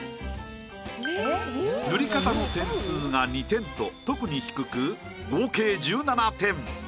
塗り方の点数が２点と特に低く合計１７点。